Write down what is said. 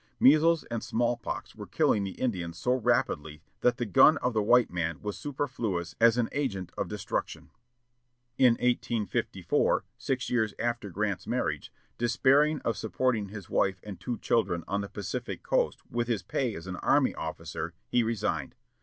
Measles and small pox were killing the Indians so rapidly that the gun of the white man was superfluous as an agent of destruction. In 1854, six years after Grant's marriage, despairing of supporting his wife and two children on the Pacific coast with his pay as an army officer, he resigned.